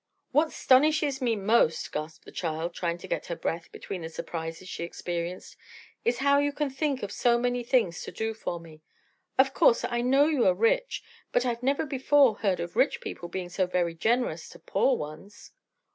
"What 'stonishes me most," gasped the child, trying to get her breath between the surprises she experienced, "is how you can think of so many things to do for me. Of course I know you are rich; but I've never before heard of rich people being so very generous to poor ones."